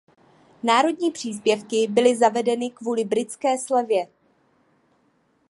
Národní příspěvky byly zavedeny kvůli britské slevě.